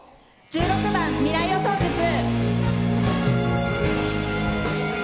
１６番「未来予想図ＩＩ」。